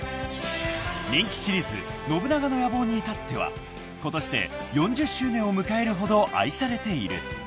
［人気シリーズ『信長の野望』に至ってはことしで４０周年を迎えるほど愛されている］